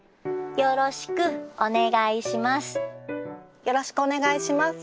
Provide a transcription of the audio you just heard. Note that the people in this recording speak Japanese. よろしくお願いします。